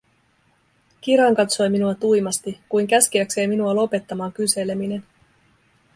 Kiran katsoi minua tuimasti, kuin käskeäkseen minua lopettamaan kyseleminen.